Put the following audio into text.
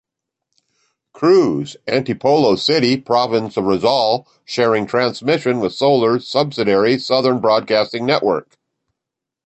Cruz, Antipolo City province of Rizal, sharing transmission with Solar's subsidiary, Southern Broadcasting Network.